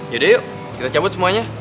yaudah yuk kita cabut semuanya